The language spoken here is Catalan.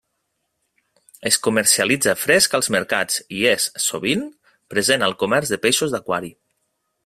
Es comercialitza fresc als mercats i és, sovint, present al comerç de peixos d'aquari.